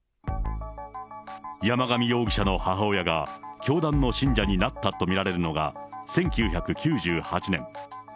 山上容疑者の母親が、教団の信者になったと見られるのが１９９８年。